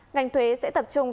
ngành thuế sẽ tập trung